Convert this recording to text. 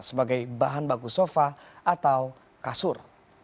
sebagai bahan baku sofa atau kasur